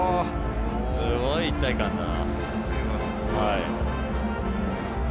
すごい一体感だな。